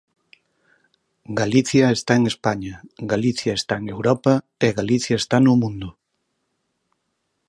Galicia está en España, Galicia está en Europa e Galicia está no mundo.